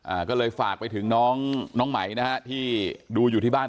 อ่าก็เลยฝากไปถึงน้องน้องไหมนะฮะที่ดูอยู่ที่บ้าน